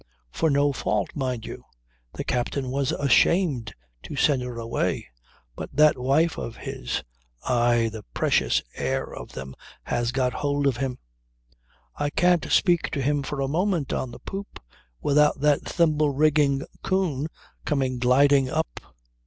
For no fault, mind you. The captain was ashamed to send her away. But that wife of his aye the precious pair of them have got hold of him. I can't speak to him for a minute on the poop without that thimble rigging coon coming gliding up.